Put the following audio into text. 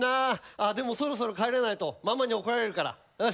あでもそろそろ帰らないとママに怒られるからよし行こう。